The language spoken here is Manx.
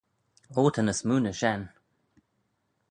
Oh ta ny smoo na shen.